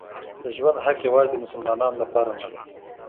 د ژوند حق يوازي د مسلمانانو لپاره نه دی.